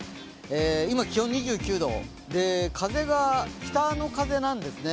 今、気温２９度で北の風なんですね。